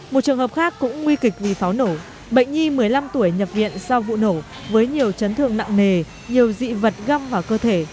một trường hợp khác cũng nguy kịch vì pháo nổ bệnh nhi một mươi năm tuổi nhập viện sau vụ nổ với nhiều chấn thương nặng nề nhiều dị vật găm vào cơ thể